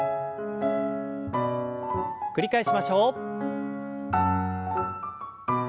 繰り返しましょう。